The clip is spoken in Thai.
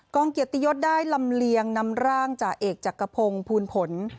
เกียรติยศได้ลำเลียงนำร่างจ่าเอกจักรพงศ์ภูลผล